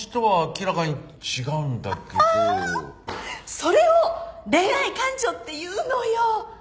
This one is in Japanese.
それを恋愛感情っていうのよ。